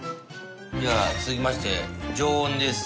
じゃあ続きまして常温です。